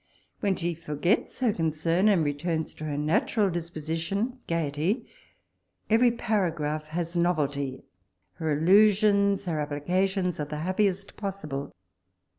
When she forgets her concern, and returns to her natural disposition— gaiety, every para graph has novelty : her allusions, her applica tions are the happiest possible.